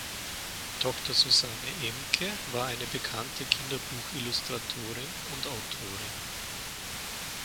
Tochter Susanne Ehmcke war eine bekannte Kinderbuchillustratorin und -autorin.